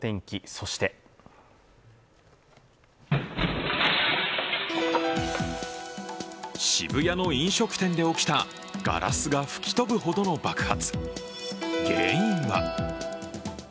そして渋谷の飲食店で起きたガラスが吹き飛ぶほどの爆発。